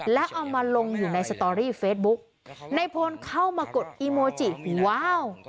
แล้วเอามาลงอยู่ในสตอรี่เฟซบุ๊กในพลเข้ามากดอีโมจิหูว้าว